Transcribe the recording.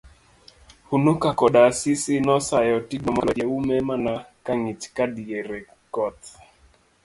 Hunuka Koda Asisi nosayo tigno mokaloitie ume mana kangich kadiere koth.